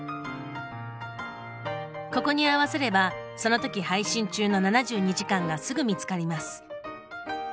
ここに合わせればその時配信中の「７２時間」がすぐ見つかります。